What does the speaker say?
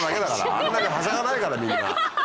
あんなにはしゃがないからみんな。